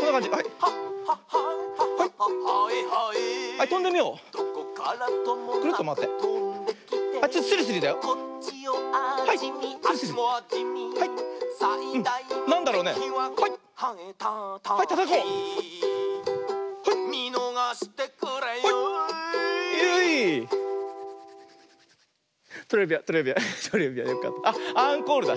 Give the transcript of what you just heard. あっアンコールだ。